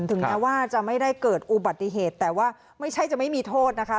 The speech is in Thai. ถึงแม้ว่าจะไม่ได้เกิดอุบัติเหตุแต่ว่าไม่ใช่จะไม่มีโทษนะคะ